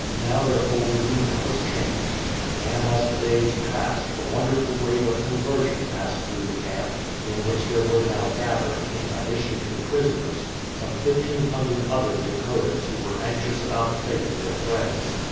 Now their whole demeanour was changed. And as the days passed, a wonderful wave of conversion passed through the camp, in which there were now gathered, in addition to the prisoners, some 1500 other Dakotas who were anxious about the fate of their friends.